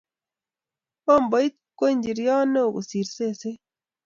Pomboit koko njiriot neo kosir seset